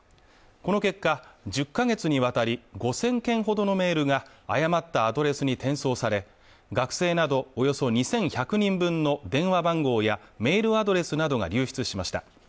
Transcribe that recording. この結果１０か月にわたり５０００件ほどのメールが誤ったアドレスに転送され学生などおよそ２１００人分の電話番号やメールアドレスなどが流出しました